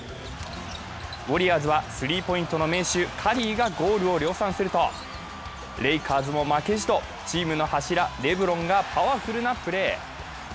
ウォリアーズはスリーポイントの名手、カリーがゴールを量産するとレイカーズも負けじとチームの柱、レブロンがパワフルなプレー。